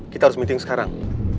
kita harus meeting sekarang